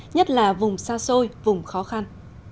nhất là vùng xa xôi vùng khó khăn